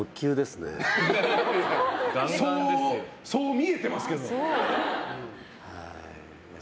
そう見えてますけど。